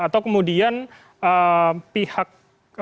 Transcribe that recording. atau kemudian pihak